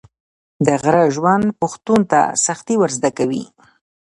د غره ژوند پښتون ته سختي ور زده کوي.